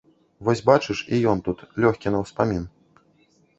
Вось бачыш, і ён тут, лёгкі на ўспамін.